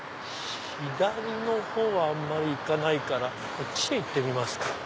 左のほうはあんまり行かないからこっちへ行ってみますか。